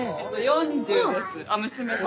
４０です。